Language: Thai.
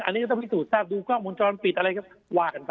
อันนี้ก็ต้องพิสูจนทราบดูกล้องวงจรปิดอะไรก็ว่ากันไป